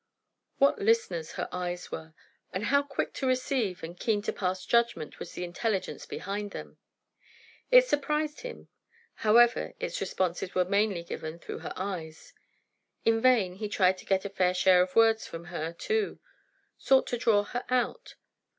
What listeners her eyes were! and how quick to receive and keen to pass judgement was the intelligence behind them. It surprised him; however, its responses were mainly given through the eyes. In vain he tried to get a fair share of words from her too; sought to draw her out.